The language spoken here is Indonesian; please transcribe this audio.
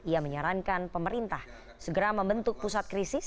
ia menyarankan pemerintah segera membentuk pusat krisis